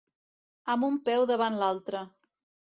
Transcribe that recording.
Amb un peu davant l'altre.